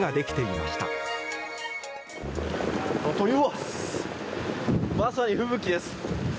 まさに吹雪です。